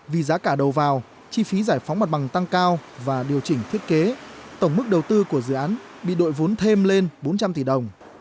vì giá cả đầu vào chi phí giải phóng mặt bằng tăng cao và điều chỉnh thiết kế tổng mức đầu tư của dự án bị đội vốn thêm lên bốn trăm linh tỷ đồng